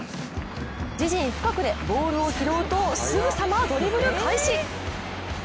自陣深くでボールを拾うとすぐさまドリブル開始。